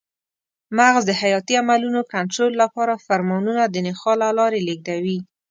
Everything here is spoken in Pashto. مغز د حیاتي عملونو کنټرول لپاره فرمانونه د نخاع له لارې لېږدوي.